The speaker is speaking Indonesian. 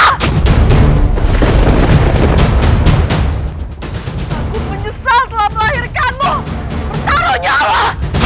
aku menyesal telah melahirkanmu bertaruh nyawa